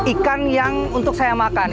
ikan yang untuk saya makan